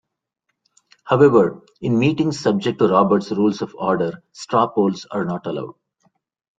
However, in meetings subject to Robert's Rules of Order, straw polls are not allowed.